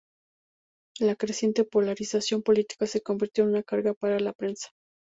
La creciente polarización política se convirtió en una carga para la prensa.